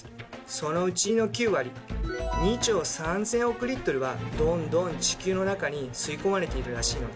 そのうちの９割２兆３，０００億はどんどん地球の中に吸いこまれているらしいのです。